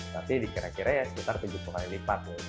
tapi dikira kira ya sekitar tujuh puluh kali lipat ya